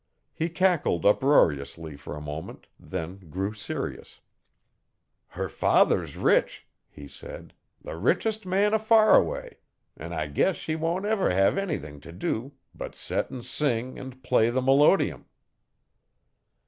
He cackled uproariously for a moment, then grew serious. 'Her father's rich,' he said, 'the richest man o' Faraway, an I guess she won't never hev anything t' dew but set'n sing an' play the melodium.'